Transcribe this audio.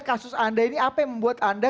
kasus anda ini apa yang membuat anda